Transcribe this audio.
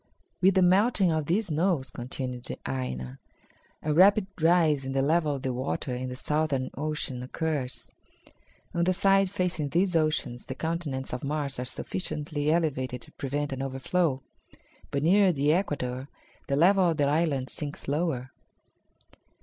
"With the melting of these snows," continued Aina, "a rapid rise in the level of the water in the southern oceans occurs. On the side facing these oceans the continents of Mars are sufficiently elevated to prevent an overflow, but nearer the equator the level of the land sinks lower."